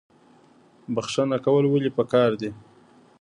بخښنه کول ولې پکار دي؟